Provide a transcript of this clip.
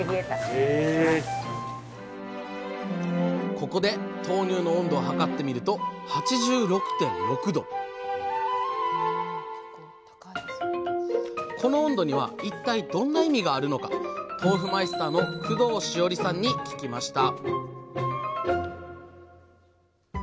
ここで豆乳の温度を測ってみると８６．６℃この温度には一体どんな意味があるのか豆腐マイスターの工藤詩織さんに聞きました